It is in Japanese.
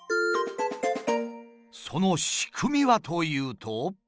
その仕組みはというと。